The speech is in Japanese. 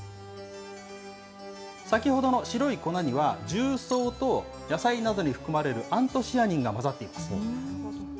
先ほどの白い粉には、重曹と野菜などに含まれるアントシアニンが混ざっています。